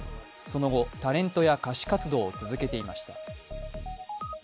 その後、タレントや歌手活動を続けていました。